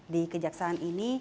di kejaksaan ini